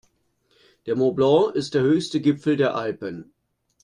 Der Mont Blanc ist der höchste Gipfel der Alpen.